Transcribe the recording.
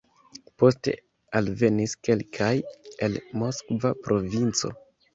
Poste alvenis kelkaj el Moskva provinco.